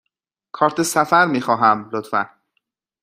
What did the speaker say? کارت سفر می خواهم، لطفاً.